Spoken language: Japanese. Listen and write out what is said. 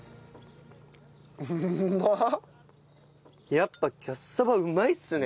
やっぱキャッサバうまいですね。